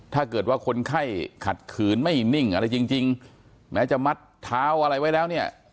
ถ้าเกิดว่าคนไข้ขัดขืนไม่นิ่งอะไรจริงแม้จะมัดเท้าอะไรไว้แล้วเนี่ย